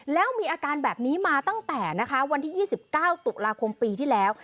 แล้วมีอาการแบบนี้มาตั้งแต่นะคะวันที่๒๙ตุลาคมปีที่แล้ว